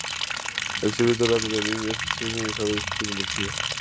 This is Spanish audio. El sirope dorado de Lyle es parcialmente un jarabe de azúcar invertido.